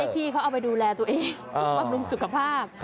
พี่เขาเอาไปดูแลตัวเองบำรุงสุขภาพ